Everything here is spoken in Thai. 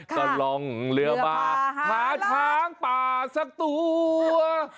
ก็ล่องเรือมาหาช้างป่าสักตัว